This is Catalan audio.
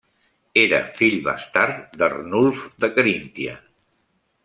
Era fill bastard d'Arnulf de Caríntia.